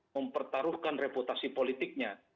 mempertaruhkan reputasi politiknya